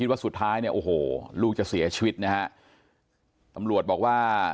ว่าสุดท้ายเนี่ยโอ้โหลูกจะเสียชีวิตนะฮะตำรวจบอกว่า